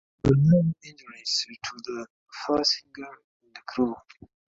There were no injuries to the passengers and crew.